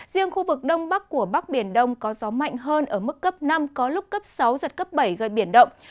riêng khu vực đông bắc của bắc biển đông có gió mạnh hơn ở mức cấp năm có lúc cấp sáu giật cấp bảy gây biển động